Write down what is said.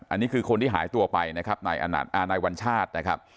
อันนี้คือคนที่หายตัวไปนายวัญชาติ